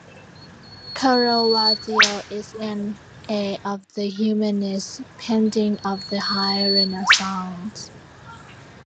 Caravaggio is an heir of the humanist painting of the High Renaissance.